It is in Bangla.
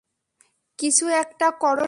কিছু একটা করো না।